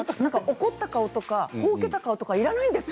怒った顔とか、ほうけた顔とかいらないですか？